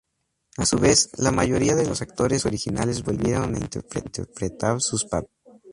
A su vez, la mayoría de los actores originales volvieron a interpretar sus papeles.